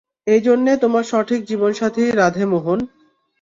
এই জন্যে তোমার সঠিক জীবন সাথী রাধে মোহন।